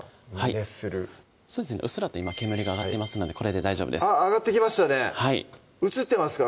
熱するうっすらと今煙が上がっていますのでこれで大丈夫です上がってきましたね映ってますか？